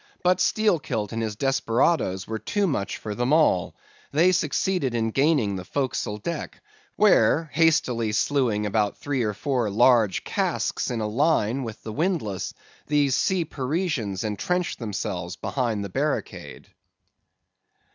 But Steelkilt and his desperadoes were too much for them all; they succeeded in gaining the forecastle deck, where, hastily slewing about three or four large casks in a line with the windlass, these sea Parisians entrenched themselves behind the barricade.